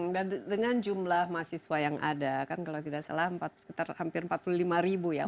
dan dengan jumlah mahasiswa yang ada kan kalau tidak salah hampir empat puluh lima ribu ya